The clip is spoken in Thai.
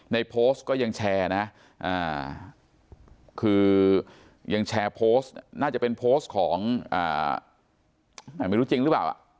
ในโพสต์ก็ยังแชร์นะคือยังแชร์โพสต์น่าจะเป็นโพสต์ของไม่รู้จริงหรือเปล่า